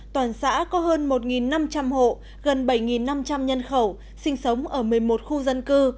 toàn xã có hơn một năm trăm linh hộ gần bảy năm trăm linh nhân khẩu sinh sống ở một mươi một khu dân cư